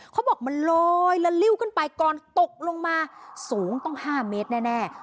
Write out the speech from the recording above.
เขาบอกมันลอยและลิ่วกันไปก่อนตกลงมาสูงต้องห้าเมตรแน่แน่